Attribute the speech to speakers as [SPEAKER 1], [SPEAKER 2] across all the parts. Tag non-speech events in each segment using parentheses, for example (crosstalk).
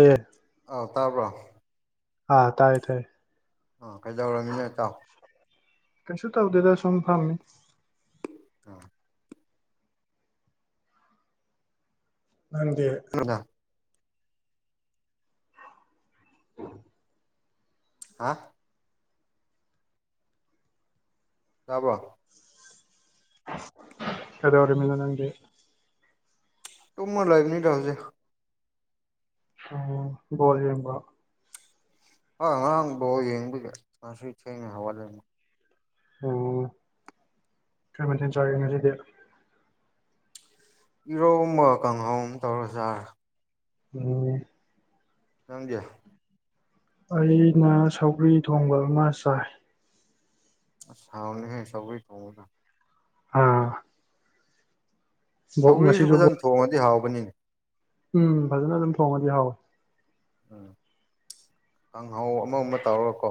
[SPEAKER 1] ꯑꯦ
[SPEAKER 2] ꯑꯧ ꯇꯥꯕ꯭ꯔꯣ
[SPEAKER 1] ꯑꯥ ꯇꯥꯏ ꯇꯥꯏ
[SPEAKER 2] ꯑꯥ ꯀꯩꯗꯧꯔꯝꯃꯤꯅꯣ ꯏꯇꯥꯎ
[SPEAKER 1] ꯀꯩꯁꯨ ꯇꯧꯗꯦꯗ ꯁꯝ ꯐꯝꯃꯤ ꯅꯪꯗꯤ (inaudible)
[SPEAKER 2] ꯍꯥ ꯇꯥꯕ꯭ꯔꯣ
[SPEAKER 1] ꯀꯩꯗꯩꯔꯝꯃꯤꯅꯣ ꯅꯪꯗꯤ
[SPEAKER 2] ꯇꯨꯝꯃ ꯂꯩꯕꯅꯤꯗ ꯍꯧꯖꯤꯛ
[SPEAKER 1] ꯑꯣ ꯕꯣꯜ ꯌꯦꯡꯕꯔꯣ
[SPEAKER 2] ꯍꯣꯏ ꯉꯥꯔꯡ ꯕꯣꯜ ꯌꯦꯡꯕꯒꯤ ꯉꯁꯤ ꯊꯦꯡꯅ ꯍꯧꯒꯠꯂꯤꯅꯤ
[SPEAKER 1] ꯑꯣ ꯀꯩꯃꯊꯦꯟ ꯆꯥꯒꯦꯉꯁꯤꯗꯤ
[SPEAKER 2] ꯏꯔꯣꯝꯕ ꯀꯪꯍꯧ ꯑꯃꯒ ꯇꯧꯔ ꯆꯥꯔꯦ
[SPEAKER 1] ꯑꯣ
[SPEAKER 2] ꯅꯪꯗꯤ
[SPEAKER 1] ꯑꯩꯅ ꯁꯧꯒ꯭ꯔꯤ ꯊꯣꯡꯕ ꯑꯃ ꯆꯥꯏ
[SPEAKER 2] ꯑꯁ ꯍꯎꯅꯤꯍꯤ ꯁꯧꯒ꯭ꯔꯤ ꯊꯣꯡꯕꯗꯣ
[SPEAKER 1] ꯑꯥ ꯕꯣ
[SPEAKER 2] ꯁꯧꯒ꯭ꯔꯤꯁꯨ
[SPEAKER 1] ꯉꯁꯤꯁꯨ ꯕꯣꯜ
[SPEAKER 2] ꯐꯖꯅ ꯊꯣꯡꯉꯗꯤ ꯍꯥꯎꯕꯅꯤ
[SPEAKER 1] ꯎꯝ ꯐꯖꯅ ꯑꯗꯨꯝ ꯊꯣꯡꯉꯗꯤ ꯍꯥꯎꯋꯤ
[SPEAKER 2] ꯎꯝ ꯀꯪꯍꯧ ꯑꯃ ꯑꯃ ꯇꯧꯔꯒꯀꯣ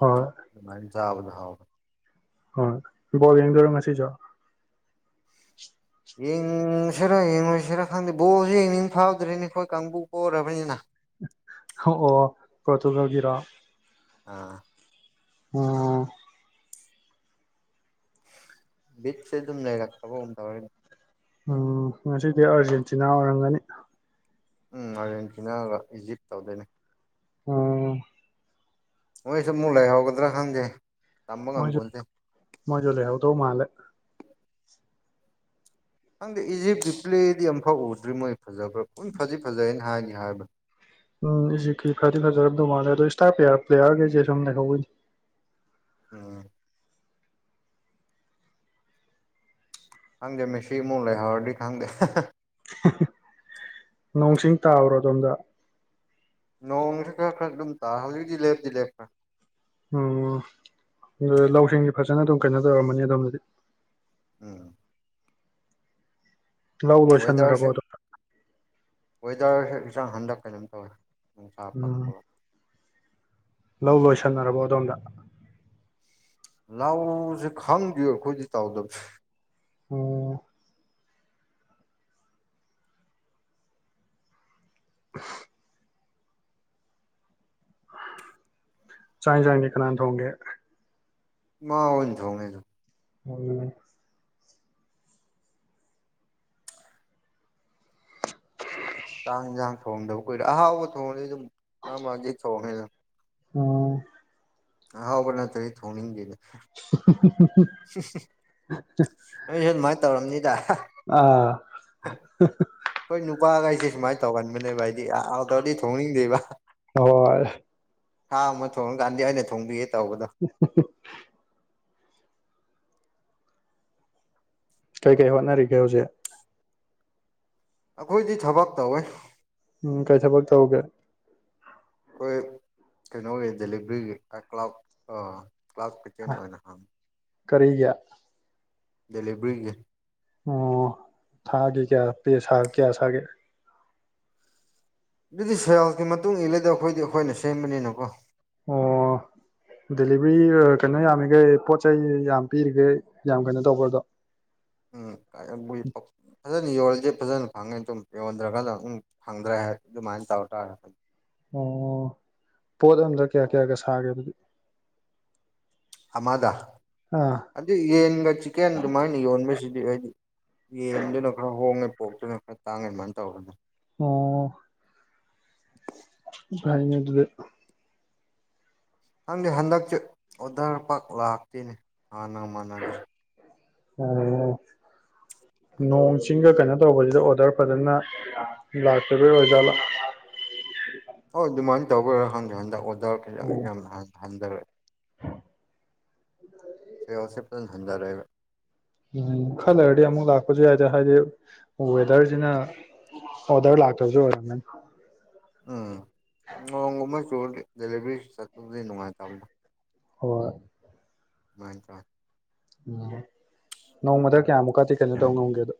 [SPEAKER 1] ꯍꯣꯏ
[SPEAKER 2] ꯑꯗꯨꯃꯥꯏꯅ ꯆꯥꯕꯗꯣ ꯍꯎꯕꯅꯤ
[SPEAKER 1] ꯍꯣꯏ ꯕꯣꯜ ꯌꯦꯡꯗꯣꯏꯔꯣ ꯉꯁꯤꯁꯨ
[SPEAKER 2] ꯌꯦꯡꯅꯤꯡꯁꯤꯔ ꯌꯦꯡꯉꯣꯏꯁꯤꯔ ꯈꯪꯗꯦ ꯕꯣꯜꯖꯦ ꯌꯦꯡꯅꯤꯡ ꯐꯥꯎꯗ꯭ꯔꯦꯅꯦ ꯑꯩꯈꯣꯏ ꯀꯥꯡꯕꯨ ꯄꯣꯔꯕꯅꯤꯅ
[SPEAKER 1] ꯑꯣ ꯄꯣꯔꯇꯨꯒꯜꯒꯤꯔꯣ
[SPEAKER 2] ꯑꯥ
[SPEAKER 1] ꯑꯣ
[SPEAKER 2] ꯕꯤꯠꯁꯦ ꯑꯗꯨꯝ ꯂꯩꯔꯛꯇꯕꯒꯨꯝ ꯇꯧꯔꯦꯅꯦ
[SPEAKER 1] ꯎꯝ ꯉꯁꯤꯗꯤ ꯑꯥꯔꯖꯦꯟꯇꯤꯅꯥ ꯑꯣꯏꯔꯝꯒꯅꯤ
[SPEAKER 2] ꯎꯝ ꯑꯥꯔꯖꯦꯟꯇꯤꯅꯥꯒ ꯏꯖꯤꯞ ꯇꯧꯗꯣꯏꯅꯦ
[SPEAKER 1] ꯑꯣ
[SPEAKER 2] ꯃꯣꯏꯁꯨ ꯑꯃꯨꯛ ꯂꯩꯍꯧꯒꯗ꯭ꯔꯥ ꯈꯪꯗꯦ ꯇꯝꯕ
[SPEAKER 1] ꯃꯣꯖꯨ
[SPEAKER 2] ꯉꯝꯄꯣꯟꯇꯦ
[SPEAKER 1] ꯃꯣꯏꯖꯨ ꯂꯩꯍꯧꯗꯧ ꯃꯜꯂꯦ
[SPEAKER 2] ꯈꯪꯗꯦ ꯏꯖꯤꯞꯀꯤ ꯄ꯭ꯂꯦꯗꯤ ꯑꯃꯝꯐꯥꯎ ꯎꯗ꯭ꯔꯤ ꯃꯣꯏ ꯐꯖꯕ꯭ꯔꯥ ꯐꯗꯤ ꯐꯖꯩ ꯍꯥꯏꯒꯤꯝꯅꯦ ꯍꯥꯏꯕ
[SPEAKER 1] ꯎꯝ ꯏꯖꯤꯞꯀꯤ ꯐꯗꯤ ꯐꯖꯔꯗꯧ ꯃꯥꯜꯂꯦ ꯑꯗꯣ ꯏꯁꯇꯥꯔ ꯄ꯭ꯂꯦꯌꯥꯔꯈꯩꯁꯦ ꯑꯗꯨꯝ ꯂꯩꯍꯧꯋꯤꯅꯦ
[SPEAKER 2] ꯎꯝ ꯈꯪꯗꯦ ꯃꯦꯁꯤ ꯏꯃꯨꯛ ꯂꯩꯍꯧꯔꯗꯤ ꯈꯪꯗꯦ ꯍꯥꯍꯥꯍꯥ
[SPEAKER 1] ꯍꯥꯍꯥ ꯅꯣꯡꯁꯤꯡ ꯇꯥꯕ꯭ꯔꯣ ꯑꯗꯣꯝꯗ
[SPEAKER 2] ꯅꯣꯡꯁꯤ ꯈꯔ ꯈꯔ ꯗꯨꯝ ꯇꯥ ꯍꯧꯖꯤꯛꯇꯤ ꯂꯦꯞꯇꯤ ꯂꯦꯞꯈ꯭ꯔꯦ
[SPEAKER 1] ꯑꯣ ꯂꯧꯁꯤꯡꯗꯤ ꯐꯖꯅ ꯑꯗꯨꯝ ꯀꯩꯅꯣ ꯇꯧꯔꯝꯃꯅꯤ ꯑꯗꯣꯝꯗꯗꯤ
[SPEAKER 2] ꯎꯝ
[SPEAKER 1] ꯂꯧ ꯂꯣꯁꯤꯟꯅꯔꯕꯣ
[SPEAKER 2] ꯋꯦꯗꯔꯁꯦ
[SPEAKER 1] ꯑꯗꯣꯝꯗ
[SPEAKER 2] ꯋꯦꯗꯔꯁꯦ ꯏꯟꯁ ꯍꯟꯗꯛ ꯀꯩꯅꯣꯝ ꯇꯧꯋꯦ ꯅꯨꯡꯁꯥ ꯄꯥꯛ
[SPEAKER 1] ꯎꯝ
[SPEAKER 2] ꯊꯣꯛꯂꯛ
[SPEAKER 1] ꯂꯧ ꯂꯣꯏꯁꯤꯟꯅꯔꯕꯣ ꯑꯗꯣꯝꯗ
[SPEAKER 2] ꯂꯎꯁꯦ ꯈꯪꯗꯦ ꯑꯩꯈꯣꯏꯗꯤ ꯇꯥꯎꯗꯕꯅꯤ
[SPEAKER 1] ꯑꯣ ꯆꯥꯛ ꯏꯟꯁꯥꯡꯗꯤ ꯀꯅꯥꯅ ꯊꯣꯡꯒꯦ
[SPEAKER 2] ꯏꯃꯥ ꯍꯣꯏꯅ ꯊꯣꯡꯉꯦ ꯑꯗꯨꯝ
[SPEAKER 1] ꯎꯝ
[SPEAKER 2] ꯆꯥꯛ ꯏꯟꯁꯪ ꯊꯣꯡꯗꯕ ꯀꯨꯏꯔꯦ ꯑꯍꯥꯎꯕ ꯊꯣꯡꯉꯗꯤ ꯑꯗꯨꯝ ꯃꯔ ꯃꯔꯥꯛꯇꯤ ꯊꯣꯡꯉꯦ ꯑꯗꯨꯝ
[SPEAKER 1] ꯑꯣ
[SPEAKER 2] ꯑꯍꯥꯎꯕ ꯅꯠꯇ꯭ꯔꯥꯗꯤ ꯊꯣꯡꯅꯤꯡꯗꯦꯕ
[SPEAKER 1] ꯍꯨꯝ ꯍꯨꯝ
[SPEAKER 2] ꯍꯤꯍꯤꯍꯤ ꯅꯣꯏꯁꯨ ꯑꯗꯨꯃꯥꯏꯅ ꯇꯧꯔꯝꯅꯤꯗ
[SPEAKER 1] ꯑꯥꯪꯍꯤꯍꯤꯍꯤ
[SPEAKER 2] ꯃꯥꯏꯟ ꯇꯧꯒꯟꯕꯅꯦꯕ ꯑꯩꯗꯤ ꯍꯥꯎꯇꯔꯗꯤ ꯊꯣꯡꯅꯤꯡꯗꯦꯕ
[SPEAKER 1] ꯍꯣꯏ
[SPEAKER 2] ꯍꯥꯝꯕ ꯊꯣꯡꯉꯀꯟꯗꯗꯤ ꯑꯩꯅ ꯊꯣꯡꯕꯤꯌꯦ
[SPEAKER 1] (unintelligible) ꯀꯩ ꯀꯩ ꯍꯣꯠꯅꯔꯤꯒꯦ ꯍꯧꯖꯤꯛ
[SPEAKER 2] ꯑꯩꯈꯣꯏꯗꯤ ꯊꯕꯛ ꯇꯧꯋꯦ
[SPEAKER 1] ꯎꯝ ꯀꯩ ꯊꯕꯛ ꯇꯧꯒꯦ
[SPEAKER 2] ꯑꯩꯈꯣꯏ ꯀꯩꯅꯣ ꯑꯣꯏ ꯗꯦꯂꯤꯚꯔꯤꯒꯤ ꯀ꯭ꯂꯎꯇ ꯑꯥ ꯀ꯭ꯂꯥꯁ ꯗꯤꯄꯦꯟ ꯑꯣꯏꯅ ꯍꯪ
[SPEAKER 1] ꯀꯔꯤꯒꯤ
[SPEAKER 2] ꯗꯦꯂꯤꯕꯔꯤꯒꯤ
[SPEAKER 1] ꯑꯣ ꯊꯥꯒꯤ ꯄꯦ ꯀꯌꯥꯁꯒꯦ
[SPEAKER 2] ꯑꯗꯨꯗꯤ ꯁꯦꯜꯒꯤ ꯃꯇꯨꯡ ꯏꯜꯂꯦꯗ ꯑꯩꯈꯣꯏꯗꯤ ꯑꯩꯈꯣꯏꯅ ꯁꯦꯝꯕꯅꯤꯅꯀꯣ
[SPEAKER 1] ꯑꯣ ꯗꯦꯂꯤꯚ꯭ꯔꯤ ꯀꯩꯅꯣ ꯌꯥꯝꯃꯤꯈꯩ ꯄꯣꯠ ꯆꯩꯩ ꯌꯥꯝ ꯄꯤꯔꯤꯒꯩ ꯌꯥꯝ ꯀꯩꯅꯣ ꯇꯧꯕ꯭ꯔꯣꯗꯣ
[SPEAKER 2] ꯎꯝ ꯑꯥ ꯕꯨꯏ ꯄꯥꯞ ꯐꯖꯅ ꯌꯣꯜꯂꯤ ꯐꯖꯅ ꯐꯪꯉꯦ ꯑꯗꯨꯝ ꯌꯣꯟꯗ꯭ꯔꯒꯅ ꯑꯗꯨꯝ ꯐꯪꯗ꯭ꯔꯦ ꯑꯗꯨꯃꯥꯏꯅ ꯇꯧ ꯑꯦ
[SPEAKER 1] ꯑꯣ ꯄꯣꯠ ꯑꯃꯗ ꯀꯌꯥ ꯀꯌꯥꯒ ꯁꯥꯒꯦ ꯑꯗꯨꯗꯤ
[SPEAKER 2] ꯑꯃꯗ
[SPEAKER 1] ꯑꯥ
[SPEAKER 2] ꯑꯗꯨꯏ ꯌꯦꯟꯒ ꯆꯤꯛꯀꯦꯟ ꯑꯗꯨꯃꯥꯏꯅ ꯌꯣꯟꯕꯁꯤꯗꯤ ꯍꯥꯏꯗꯤ ꯌꯦꯟꯗꯨꯅ ꯈꯔ ꯍꯣꯡꯉꯦ ꯄꯣꯛꯇꯨꯅ ꯈꯔ ꯇꯥꯡꯉꯦ ꯑꯗꯨꯃꯥꯏꯅ ꯇꯧꯔꯗꯤ
[SPEAKER 1] ꯑꯣ ꯌꯥꯏꯌꯦ ꯑꯗꯨꯗꯤ
[SPEAKER 2] ꯈꯪꯗꯦ ꯍꯟꯗꯛꯁꯦ ꯑꯣꯗꯔ ꯄꯛ ꯂꯥꯛꯇꯦꯅꯦ ꯍꯥꯟꯅꯒ ꯃꯥꯟꯅꯗ꯭ꯔꯦ
[SPEAKER 1] (unintelligible) ꯅꯣꯡ ꯆꯤꯡꯒ ꯀꯩꯅꯣ ꯇꯧꯕꯖꯤꯗ ꯑꯣꯔꯗ꯭ꯔ ꯐꯖꯅ ꯂꯥꯛꯇꯕꯩ ꯑꯣꯖꯥꯠꯂꯣ (unintelligible)
[SPEAKER 2] ꯍꯣꯏ ꯑꯗꯨꯃꯥꯏꯟ ꯇꯧꯕꯩꯔꯥ ꯈꯪꯗꯦ ꯍꯟꯗꯛ ꯑꯣꯗ꯭ꯔ (unintelligible) ꯌꯥꯝ ꯍꯟꯗꯔꯦ (unintelligible) ꯍꯟꯗꯔꯦꯕ
[SPEAKER 1] ꯎꯝꯈꯥ ꯂꯩꯔꯗꯤ ꯑꯃꯨꯛ ꯂꯥꯛꯄꯁꯨ ꯌꯥꯏꯗ ꯍꯥꯏꯗꯤ ꯋꯦꯗ꯭ꯔꯖꯤꯅ ꯑꯣꯗ꯭ꯔ ꯂꯥꯛꯇꯖꯨ ꯑꯣꯏꯔꯝꯒꯅꯤ
[SPEAKER 2] ꯎꯝ ꯅꯣꯡꯒꯨꯝꯕ ꯆꯨꯔꯗꯤ ꯗꯦꯂꯤꯕ꯭ꯔꯤ ꯆꯠꯄꯕꯨꯗꯤ ꯅꯨꯡꯉꯥꯏꯇꯕꯗ
[SPEAKER 1] ꯍꯣꯏ
[SPEAKER 2] (unintelligible)
[SPEAKER 1] ꯎꯝ ꯅꯣꯡꯃꯗ ꯀꯌꯥꯃꯨꯛꯀꯗꯤ ꯀꯩꯅꯣ ꯇꯧꯉꯝꯒꯦ ꯗꯣ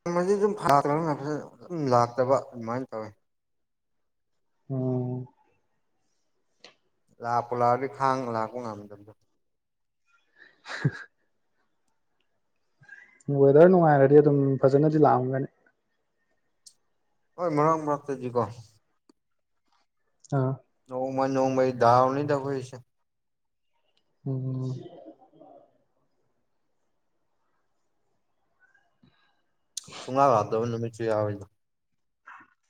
[SPEAKER 2] ꯉꯝꯃꯗꯤ ꯑꯗꯨꯝ (unintelligible) ꯗꯨꯝ ꯂꯥꯛꯇꯕ ꯑꯗꯨꯃꯥꯏꯟ ꯇꯧꯋꯦ
[SPEAKER 1] ꯎꯝ
[SPEAKER 2] ꯂꯥꯛꯄꯨ ꯂꯥꯛꯑꯗꯤ ꯈꯥꯡ ꯂꯥꯛꯄ ꯉꯝꯗꯕꯗꯣ
[SPEAKER 1] ꯋꯦꯗ꯭ꯔ ꯅꯨꯡꯉꯥꯏꯔꯗꯤ ꯑꯗꯨꯝ ꯐꯖꯅꯗꯤ ꯂꯥꯛꯑꯝꯒꯅꯤ
[SPEAKER 2] ꯍꯣꯏ ꯃꯔꯛ ꯃꯔꯛꯇꯗꯤꯀꯣ
[SPEAKER 1] ꯑ
[SPEAKER 2] ꯅꯣꯡꯃ ꯅꯣꯡꯃꯩ ꯗꯥꯎꯅꯤꯗ ꯑꯈꯣꯏꯁꯦ
[SPEAKER 1] ꯎꯝ
[SPEAKER 2] ꯁꯨꯡꯂꯥꯛ ꯂꯥꯛꯇꯕ ꯅꯃꯤꯠꯁꯨꯨ ꯌꯥꯎꯋꯦꯗ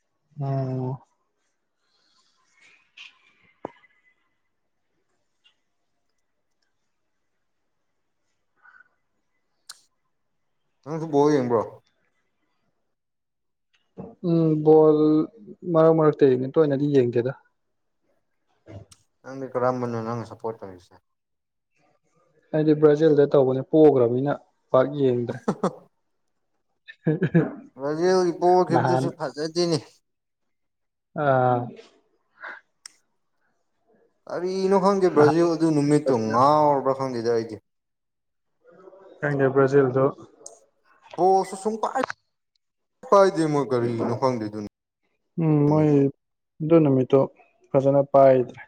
[SPEAKER 1] (unintelligible)
[SPEAKER 2] ꯅꯪꯁꯨ ꯕꯣꯜ ꯌꯦꯡꯕ꯭ꯔꯣ
[SPEAKER 1] ꯎꯝ ꯕꯣꯜ ꯃꯔꯛ ꯃꯔꯛꯇ ꯌꯦꯡꯉꯦ ꯇꯣꯏꯅꯗꯤ ꯌꯦꯡꯗꯦꯗ (inaudible)
[SPEAKER 2] ꯀꯔꯝꯕꯅꯣ ꯅꯪꯅ ꯁ꯭ꯄꯣꯔꯠ ꯇꯧꯔꯤꯁꯦ
[SPEAKER 1] ꯑꯩꯗꯤ ꯕ꯭ꯔꯖꯤꯜꯗ ꯇꯧꯕꯅꯦ ꯄꯣꯒ꯭ꯔꯕꯅꯤꯅ ꯄꯥꯛ ꯌꯦꯡꯗ꯭ꯔꯦ
[SPEAKER 2] ꯕ꯭ꯔꯥꯖꯤꯜꯒꯤ
[SPEAKER 1] ꯅꯍꯥꯟ
[SPEAKER 2] ꯄꯣꯈꯤꯕꯗꯨꯁꯨ ꯐꯖꯗꯦꯅꯦ
[SPEAKER 1] ꯑꯥ
[SPEAKER 2] ꯀꯔꯤꯅꯣ ꯈꯪꯗꯦ
[SPEAKER 1] ꯅꯍꯥꯟ
[SPEAKER 2] ꯕ꯭ꯔꯥꯖꯤꯜ ꯑꯗꯨ ꯅꯨꯃꯤꯠꯇꯣ ꯉꯥꯎꯔꯕ꯭ꯔꯥ ꯈꯪꯗꯦꯗ ꯑꯩꯗꯤ
[SPEAKER 1] ꯈꯪꯗꯦ ꯕ꯭ꯔꯥꯖꯤꯜꯗꯣ
[SPEAKER 2] ꯕꯣꯜꯁꯨ ꯁꯨꯡꯄꯥꯏ ꯄꯥꯏꯗꯦ ꯃꯣꯏ ꯀꯔꯤꯒꯤꯅꯣ ꯈꯪꯗꯦꯗꯨꯅꯤ
[SPEAKER 1] ꯎꯝ ꯃꯣꯏ ꯑꯗꯨ ꯅꯨꯃꯤꯠꯇꯣ ꯐꯖꯅ ꯄꯥꯏꯗ꯭ꯔꯦ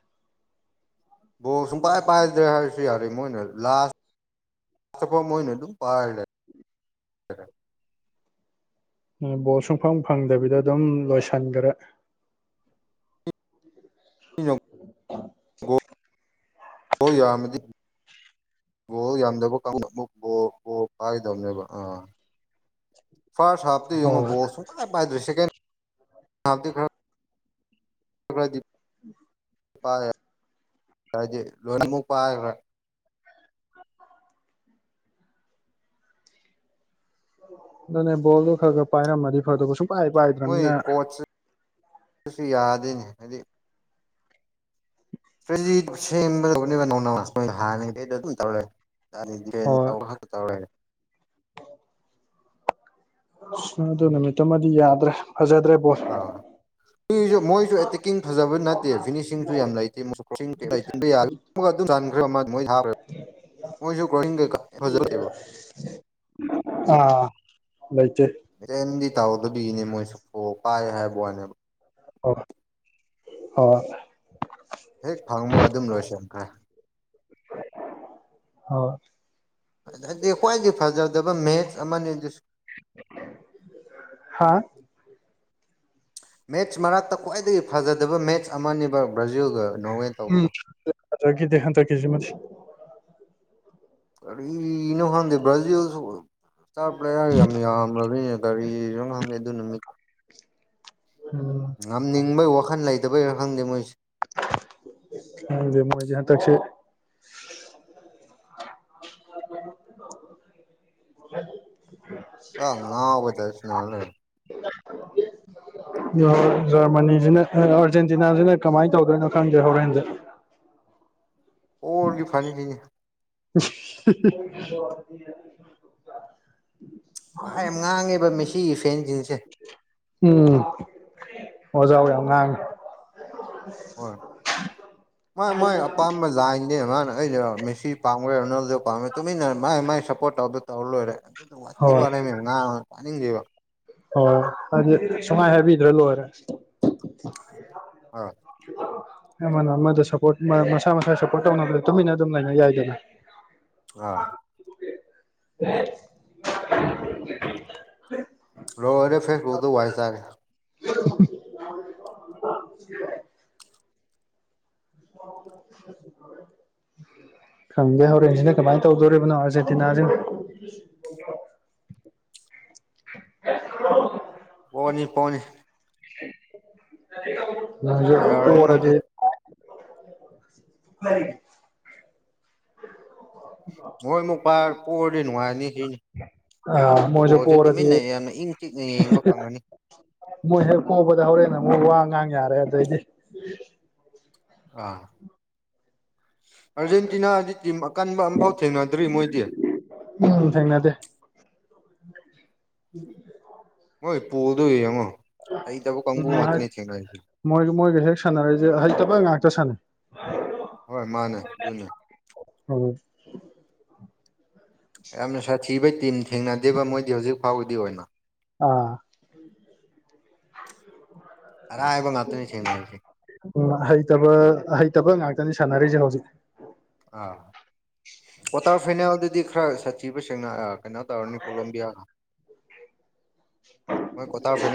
[SPEAKER 2] ꯕꯣꯜ ꯁꯨꯛꯄꯥꯏ ꯄꯥꯏꯗ꯭ꯔꯦ ꯍꯥꯏꯔꯁꯨ ꯌꯥꯔꯦ ꯃꯣꯏꯅ ꯂꯥꯁ ꯇꯀꯣ ꯃꯣꯏꯅ ꯑꯗꯨꯝ ꯄꯥꯏ ꯂꯩꯒ꯭ꯔꯦ
[SPEAKER 1] ꯃꯣꯏ ꯕꯣꯜ ꯁꯨꯡꯐꯪ ꯐꯪꯗꯕꯤꯗ ꯗꯨꯝ ꯂꯣꯏꯁꯟꯒ꯭ꯔꯦ
[SPEAKER 2] ꯂꯩ (inaudible) ꯌꯥꯝꯃꯗꯤ ꯕꯣꯜ ꯌꯥꯝꯗꯕ ꯀꯥꯡꯕꯨꯅ ꯑꯃꯨꯛ ꯕꯣꯜ ꯕꯣꯜ ꯄꯥꯏꯒꯗ꯭ꯕꯅꯦꯕ ꯑꯥ ꯐꯥ꯭ꯔꯁ ꯍꯥꯐꯇꯨ ꯌꯦꯡꯉꯣ
[SPEAKER 1] ꯍꯣꯏ
[SPEAKER 2] ꯕꯣꯜ ꯁꯨꯛꯄꯥꯏ ꯄꯥꯏꯗ꯭ꯔꯦ ꯁꯦꯀꯦꯟ ꯍꯥꯐꯇꯤ ꯈꯔ (unintelligible)
[SPEAKER 1] (inaudible)
[SPEAKER 2] (unintelligible) ꯂꯣꯏꯅꯃꯨꯛ ꯄꯥꯏꯒ꯭ꯔꯦ
[SPEAKER 1] ꯑꯗꯨꯅꯦ ꯕꯣꯜꯗꯣ ꯈ꯭ꯔ ꯈ꯭ꯔ ꯄꯥꯏꯔꯝꯃꯗꯤ ꯐꯗꯧꯕ ꯁꯨꯡꯄꯥꯏ ꯄꯥꯏꯗ꯭ꯔꯝꯅꯤꯅ
[SPEAKER 2] ꯑꯗꯨꯁꯨ ꯌꯥꯗꯦꯅꯦ ꯍꯥꯏꯗꯤ (inaudible)
[SPEAKER 1] ꯍꯣꯏ
[SPEAKER 2] (inaudible)
[SPEAKER 1] ꯑ ꯑꯗꯨ ꯅꯨꯃꯤꯠꯇꯨꯃꯗꯤ ꯌꯥꯗ꯭ꯔꯦ ꯐꯖꯗ꯭ꯔꯦ ꯕꯣꯜ
[SPEAKER 2] ꯖꯨ ꯃꯣꯏꯖꯨ ꯑꯦꯇꯦꯛꯀꯤꯡ ꯐꯖꯕ ꯅꯠꯇꯦ ꯐꯤꯅꯤꯁꯤꯡꯁꯨ ꯌꯥꯝ ꯂꯩꯇꯦ (inaudible) ꯃꯣꯏ (unintelligible) ꯃꯣꯏꯁꯨ (unintelligible)
[SPEAKER 1] ꯑꯥ ꯂꯩꯇꯦ
[SPEAKER 2] ꯔꯦꯟꯗꯤ ꯇꯥꯎꯗꯕꯤꯅꯦ ꯃꯣꯏꯁꯨ ꯕꯣꯜ ꯄꯥꯏ ꯍꯥꯏꯕ ꯋꯥꯅꯦꯕ
[SPEAKER 1] ꯑꯣ ꯑꯣ
[SPEAKER 2] ꯍꯦꯛ ꯐꯪꯕꯒ ꯑꯗꯨꯝ ꯂꯣꯏꯁꯤꯟꯈ꯭ꯔꯦ
[SPEAKER 1] ꯍꯣꯏ
[SPEAKER 2] ꯍꯥꯏꯗꯤ ꯈ꯭ꯋꯥꯏꯗꯒꯤ ꯐꯖꯗꯕ ꯃꯦꯠꯆ ꯑꯃꯅꯤ ꯑꯗꯨꯁꯨ
[SPEAKER 1] ꯍꯥꯥ
[SPEAKER 2] ꯃꯦꯠꯁ ꯃꯔꯛꯇ ꯈ꯭ꯋꯥꯏꯗꯒꯤ ꯐꯖꯗꯕ ꯃꯦꯠꯁ ꯑꯃꯅꯦꯕ ꯕ꯭ꯔꯥꯖꯤꯜꯒ ꯅꯣꯔꯋꯦ ꯇꯧꯕꯗꯣ
[SPEAKER 1] ꯎꯝ ꯐꯖꯒꯤꯗꯦ ꯍꯟꯗꯛꯀꯤꯁꯤꯃꯗꯤ
[SPEAKER 2] ꯀꯔꯤꯅꯣ ꯈꯪꯗꯦ ꯕ꯭ꯔꯥꯖꯤꯜꯁꯨ ꯁ꯭ꯇꯥꯔ ꯄ꯭ꯂꯦꯌꯔ ꯌꯥꯝ ꯌꯥꯝꯕꯅꯤ ꯀꯔꯤꯅꯣ ꯈꯪꯗꯦ ꯑꯗꯨ ꯅꯨꯃꯤꯠ
[SPEAKER 1] ꯎꯝ
[SPEAKER 2] ꯉꯝꯅꯤꯡꯕꯒꯤ ꯋꯥꯈꯜ ꯂꯩꯇꯕꯩꯔ ꯈꯪꯗꯦ ꯃꯣꯏꯁꯦ
[SPEAKER 1] ꯈꯪꯗꯦ ꯃꯣꯏꯁꯦ ꯍꯟꯇꯛꯁꯦ (inaudible)
[SPEAKER 2] ꯑ ꯉꯥꯎꯕꯩ ꯇꯥꯏꯞꯇ ꯁꯥꯟꯅ ꯂꯩꯔꯦ
[SPEAKER 1] ꯖꯔꯃꯅꯤꯁꯤꯅ ꯑꯥꯔꯖꯦꯟꯇꯤꯅꯥꯁꯤꯅ ꯀꯃꯥꯏꯅ ꯇꯧꯗꯣꯏꯅꯣ ꯈꯪꯗꯦ ꯍꯣꯔꯦꯟꯗꯤ (inaudible)
[SPEAKER 2] ꯑꯣꯔꯒꯤ ꯐꯥꯅꯤ
[SPEAKER 1] ꯍꯁ ꯍꯤ ꯍꯤ ꯍꯤ
[SPEAKER 2] ꯋꯥ ꯌꯥꯝ ꯉꯥꯡꯉꯦꯕ ꯃꯁꯤꯒꯤ ꯐꯦꯟꯁꯤꯡꯁꯦ
[SPEAKER 1] ꯋꯖꯥꯎ ꯌꯥꯝ ꯉꯥꯡꯉꯦ
[SPEAKER 2] ꯍꯣꯏ ꯃꯣꯏ ꯃꯣꯏ ꯑꯄꯥꯝꯕ ꯖꯥꯏꯟ ꯅꯦ ꯃꯥꯅ ꯑꯩꯔꯣ ꯃꯦꯁꯤ ꯄꯥꯝꯈ꯭ꯦꯔ ꯔꯣꯅꯥꯜꯗꯣ ꯄꯥꯝꯒꯦꯔ ꯇꯨꯃꯤꯟꯅ ꯃꯥꯏ ꯃꯥꯏ ꯁꯞꯄꯣꯠ ꯇꯧꯗꯣ ꯇꯧꯔ ꯂꯣꯏꯔꯦ ꯑꯗꯨꯗꯣ ꯋꯥꯊꯤ ꯋꯥꯔꯦꯝ ꯌꯥꯝ ꯉꯥꯡꯉꯦ ꯇꯅꯤꯡꯗꯦꯕ
[SPEAKER 1] ꯍꯣꯏ ꯍꯥꯏꯗꯤ ꯁꯨꯡꯍꯥꯏ ꯍꯥꯏꯕꯤꯗ꯭ꯔ ꯂꯣꯏꯔꯦ
[SPEAKER 2] ꯑꯥ
[SPEAKER 1] ꯑꯃꯅ ꯑꯃꯗ ꯁꯄꯣꯠ ꯃꯥ ꯃꯁꯥ ꯃꯁꯥꯒꯤ ꯁꯞꯄꯣꯠ ꯇꯧꯅꯕꯗ ꯇꯨꯃꯤꯟꯅ ꯑꯗꯨꯝ ꯂꯩꯅ ꯌꯥꯏꯗꯅ
[SPEAKER 2] ꯑꯥ
[SPEAKER 1] (unintelligible)
[SPEAKER 2] ꯂꯣꯏꯔꯦ ꯐꯦꯁꯕꯨꯛꯇ ꯋꯥꯏ ꯆꯥꯔꯦ
[SPEAKER 1] (unintelligible) (inaudible) ꯈꯪꯗꯦ ꯍꯣꯔꯦꯟꯁꯤꯅ ꯀꯃꯥꯏꯅ ꯇꯧꯗꯣꯔꯤꯕꯅꯣ ꯑꯥꯔꯖꯦꯟꯇꯤꯅꯥꯁꯦ (inaudible) (unintelligible)
[SPEAKER 2] ꯄꯣꯅꯤ ꯄꯣꯅꯤ
[SPEAKER 1] ꯅꯪꯁꯨ
[SPEAKER 2] ꯌꯧꯔꯅꯤ ꯃꯣꯏꯁꯨ
[SPEAKER 1] ꯄꯣꯔꯗꯤ (unintelligible)
[SPEAKER 2] ꯃꯣꯏ ꯑꯃꯨꯛ ꯄꯥꯏꯔ ꯄꯣꯔꯗꯤ ꯅꯨꯡꯉꯥꯏꯅꯤ
[SPEAKER 1] ꯑꯥ ꯃꯣꯏꯁꯨ
[SPEAKER 2] ꯐꯨꯠꯕꯣꯜꯁꯦ ꯇꯨꯃꯤꯟꯅ
[SPEAKER 1] ꯄꯣꯔꯗꯤ
[SPEAKER 2] ꯌꯥꯝꯅ ꯏꯪ ꯆꯤꯛꯅ ꯌꯦꯡꯕ ꯐꯪꯉꯅꯤ
[SPEAKER 1] ꯃꯣꯏ ꯍꯦꯛ ꯄꯣꯕꯗ ꯍꯧꯔꯦꯅ ꯑꯃꯨꯛ ꯋꯥ ꯉꯥꯡ ꯌꯥꯔꯦ ꯑꯗꯨꯗꯏꯗꯤ
[SPEAKER 2] ꯑꯥ ꯑꯥꯔꯖꯦꯟꯇꯤꯅꯥꯗꯤ ꯇꯤꯝ ꯑꯀꯟꯕ ꯑꯃꯝꯐꯥꯎ ꯊꯦꯡꯅꯗ꯭ꯔꯤ ꯃꯣꯏꯗꯤ
[SPEAKER 1] ꯎꯝ ꯊꯦꯡꯅꯗꯦ (inaudible)
[SPEAKER 2] ꯍꯣꯏ ꯄꯣꯜꯗꯣ ꯌꯦꯡꯉꯣ ꯍꯩꯇꯕ ꯀꯥꯡꯕꯨ
[SPEAKER 1] ꯎꯝ
[SPEAKER 2] ꯉꯥꯛꯇꯅꯤ ꯊꯦꯡꯅꯔꯤꯁꯦ
[SPEAKER 1] ꯃꯣꯏ ꯃꯣꯏꯒ ꯍꯦꯛ ꯁꯥꯟꯅꯔꯏꯁꯦ ꯑꯍꯩꯇꯕ ꯉꯥꯛꯇ ꯁꯥꯟꯅꯩ
[SPEAKER 2] ꯍꯣꯏ ꯃꯥꯅꯦ ꯑꯗꯨꯅꯦ
[SPEAKER 1] ꯎꯝ
[SPEAKER 2] ꯌꯥꯝꯅ ꯁꯥꯊꯤꯕꯩ ꯇꯤꯝ ꯊꯦꯡꯅꯗꯦꯕ ꯃꯣꯏꯗꯤ ꯍꯧꯖꯤꯛ ꯐꯥꯎꯕꯗꯤ ꯑꯣꯏꯅ
[SPEAKER 1] ꯑꯥ
[SPEAKER 2] ꯑꯔꯥꯏꯕ ꯉꯥꯛꯇꯅꯤ ꯊꯦꯡꯅꯔꯤꯁꯦ
[SPEAKER 1] ꯎꯝ ꯍꯩꯇꯕ ꯑꯍꯩꯇꯕ ꯉꯥꯛꯇꯅꯤ ꯁꯥ ꯁꯅꯩꯖꯦ ꯍꯧꯖꯤꯛ
[SPEAKER 2] ꯑꯥ ꯀ꯭ꯋꯥꯇꯔ ꯐꯥꯏꯅꯦꯜꯗꯗꯤ ꯈꯔ ꯁꯥꯊꯤꯕ ꯁꯦꯡꯅ ꯀꯩꯅꯣ ꯇꯧꯔꯅꯤ ꯀꯣꯂꯣꯝꯕꯤꯌꯥꯒ
[SPEAKER 1] (inaudible)
[SPEAKER 2] ꯃꯣꯏ ꯀꯣꯇꯔ ꯐ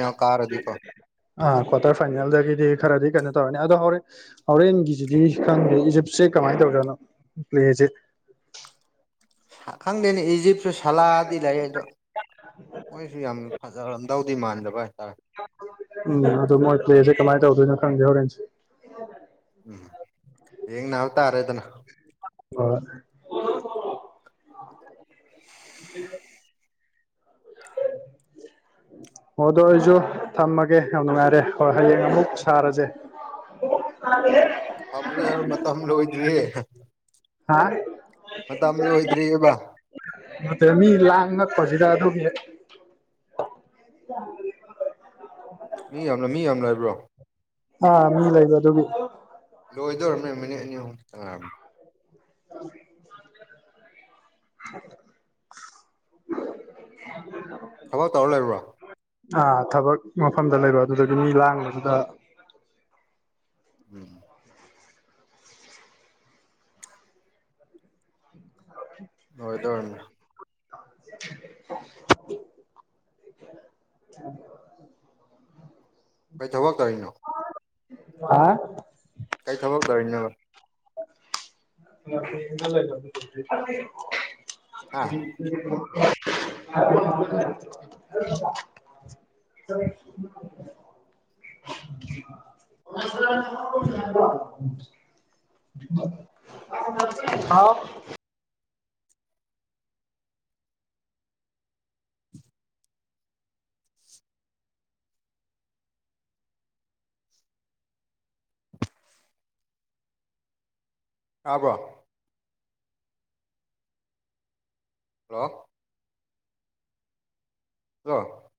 [SPEAKER 1] ꯑꯥ ꯀ꯭ꯋꯥꯇꯔ ꯐꯥꯏꯅꯦꯜꯗꯒꯤꯗꯤ ꯈꯔꯗꯤ ꯀꯩꯅꯣ ꯇꯧꯔꯅꯤ ꯑꯗꯣ ꯍꯧꯔꯦꯟ ꯍꯣꯔꯦꯟꯒꯤꯖꯤꯗꯤ ꯈꯪꯗꯦ ꯏꯖꯤꯞꯁꯦ ꯀꯃꯥꯏꯅ ꯇꯧꯔꯤ ꯖꯠꯅꯣ ꯄ꯭ꯂꯦꯁꯦ (inaudible)
[SPEAKER 2] ꯈꯪꯗꯦꯅꯦ ꯏꯖꯤꯞꯁꯨ ꯁꯥꯂꯗꯤ ꯂꯩ ꯑꯗꯣ ꯃꯣꯏꯁꯨ ꯌꯥꯝ ꯐꯖꯔꯝꯗꯧꯗꯤ ꯃꯥꯟꯗꯕ ꯍꯥꯏꯇꯥꯔꯦ
[SPEAKER 1] ꯎꯝ ꯑꯗꯨ ꯃꯣꯏ ꯄ꯭ꯂꯦꯁꯦ ꯀꯃꯥꯏꯅ ꯇꯧꯗꯣꯏꯅꯣ ꯈꯪꯗꯦ ꯍꯣꯔꯦꯟ
[SPEAKER 2] ꯎꯝ ꯌꯦꯡꯅꯕ ꯇꯔꯦꯗꯅ
[SPEAKER 1] ꯑꯥ (unintelligible) ꯑꯣ ꯑꯗꯣ ꯑꯩꯁꯨ ꯊꯝꯃꯒꯦ ꯌꯥꯝ ꯅꯨꯡꯉꯥꯏꯔꯦ ꯍꯣꯏ ꯍꯌꯦꯡ ꯑꯃꯨꯛ ꯁꯥꯔꯁꯦ ꯑꯣ (unintelligible)
[SPEAKER 2] ꯊꯝꯕꯒꯦ ꯍꯥꯏꯔꯣ ꯃꯇꯝ ꯂꯣꯏꯗ꯭ꯔꯤ
[SPEAKER 1] ꯍꯥ
[SPEAKER 2] ꯂꯣꯏꯗ꯭ꯔꯤꯑꯕ
[SPEAKER 1] ꯅꯇꯦꯃꯤ ꯂꯪꯉꯛ ꯄꯁꯤꯗꯥ ꯑꯗꯨꯜꯤ
[SPEAKER 2] ꯃꯤ ꯌꯥꯝꯅ ꯃꯤ ꯌꯥꯝꯅ ꯂꯩꯕ꯭ꯔꯣ
[SPEAKER 1] ꯑꯥ ꯃꯤ ꯂꯩꯕ ꯑꯗꯨꯒꯤ
[SPEAKER 2] ꯂꯣꯏꯗꯧꯔꯝꯃꯦ ꯃꯤꯅꯤꯠ ꯑꯅꯤ ꯑꯍꯨꯝ ꯈꯛꯇ ꯉꯥꯏꯔꯃꯦ
[SPEAKER 1] (unintelligible) (unintelligible)
[SPEAKER 2] ꯊꯕꯛ ꯇꯧꯔ ꯂꯩꯕ꯭ꯔꯣ
[SPEAKER 1] ꯑꯥ ꯊꯕꯛ ꯃꯐꯝꯗ ꯂꯩꯕ ꯑꯗꯨꯗꯤ ꯃꯤ ꯂꯥꯡꯕꯖꯤꯗ
[SPEAKER 2] ꯎꯝ ꯂꯣꯏꯗꯧꯔꯕꯅꯤ
[SPEAKER 1] (unintelligible)
[SPEAKER 2] ꯀꯣꯏ ꯊꯕꯛ ꯇꯧꯔꯤꯅꯣ
[SPEAKER 1] ꯍꯥ
[SPEAKER 2] ꯀꯩ ꯊꯕꯛ ꯇꯧꯔꯤꯅꯣꯕ ꯍꯥ
[SPEAKER 1] (unintelligible) (inaudible) (inaudible) ꯍꯥꯎ
[SPEAKER 2] ꯇꯥꯕ꯭ꯔꯣ ꯍꯜꯂꯣ ꯍꯜꯂꯣ